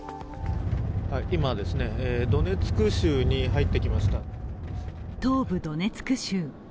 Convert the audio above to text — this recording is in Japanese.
今、ドネツク州に入ってきました東部ドネツク州。